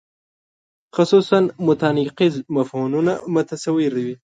خصوصاً متناقض مفهومونه متصور وي.